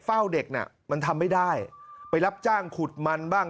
เฝ้าเด็กน่ะมันทำไม่ได้ไปรับจ้างขุดมันบ้าง